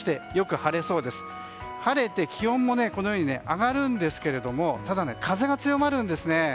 晴れて気温も上がるんですけどただ、風が強まるんですね。